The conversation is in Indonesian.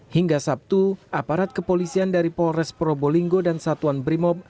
hingga sabtu aparat kepolisian dari polres probolinggo dan satuan brimob